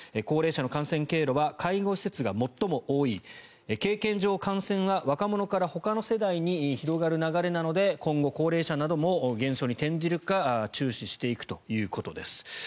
高齢者の感染経路は介護施設が最も多い経験上感染は若者からほかの世代に広がる流れなので今後、高齢者なども減少に転じるか注視していくということです。